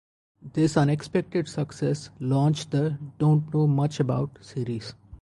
This unexpected success launched the "Don't Know Much About..." series.